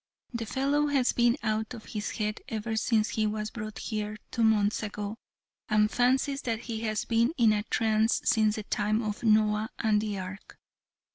The fellow has been out of his head ever since he was brought here, two months ago, and fancies that he has been in a trance since the time of Noah and the Ark.